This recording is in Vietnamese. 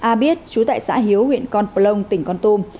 a biết chú tại xã hiếu huyện con plông tỉnh con tung